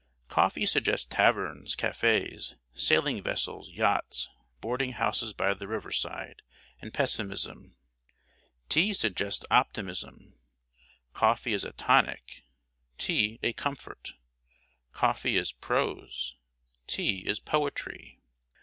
Coffee suggests taverns, cafés, sailing vessels, yachts, boarding houses by the river side, and pessimism. Tea suggests optimism. Coffee is a tonic; tea, a comfort. Coffee is prose; tea is poetry.